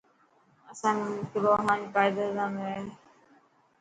اسائي ملڪ روٻاني قائد اعظم هي.